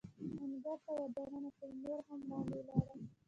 انګړ ته ور دننه شوم، نور هم وړاندې ولاړم.